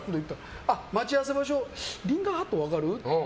待ち合わせ場所リンガーハット分かる？